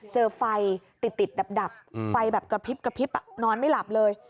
เจอไฟติดดับไฟแบบกระพริบกระพริบนอนไม่หลับเลย